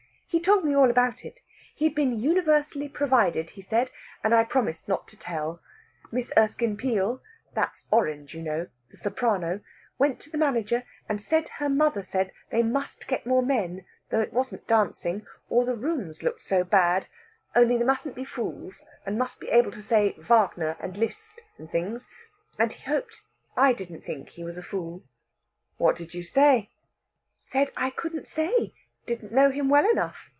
"He told me all about it. He'd been universally provided, he said; and I promised not to tell. Miss Erskine Peel that's Orange, you know, the soprano went to the manager and said her mother said they must get more men, though it wasn't dancing, or the rooms looked so bad; only they mustn't be fools, and must be able to say Wagner and Liszt and things. And he hoped I didn't think he was a fool." "What did you say?" "Said I couldn't say didn't know him well enough.